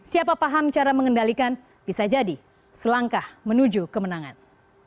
siapa paham cara mengendalikan bisa jadi selangkah menuju kemenangan